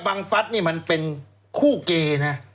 บังฟัสมันเป็นคู่เกย์นะ